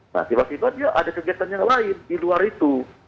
nah tiba tiba dia ada kegiatan yang lain di luar itu